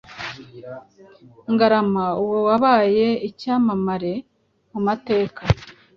Ngarama uwo wabaye icyamamare mu mateka